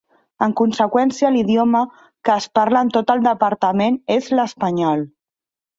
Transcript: En conseqüència l'idioma que es parla en tot el departament és l'espanyol.